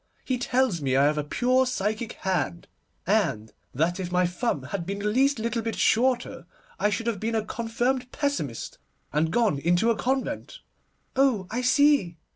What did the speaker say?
He tells me I have a pure psychic hand, and that if my thumb had been the least little bit shorter, I should have been a confirmed pessimist, and gone into a convent.' 'Oh, I see!